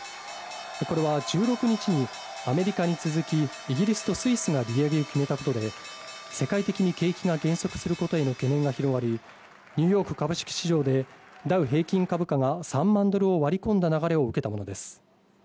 これは１６日にアメリカに続き、イギリスとスイスが利上げを決めたことで、世界的に景気が減速することへの懸念が広がり、ニューヨーク株式市場でダウ平均株価が３万ドルを割り込んだ流れを受けたものです。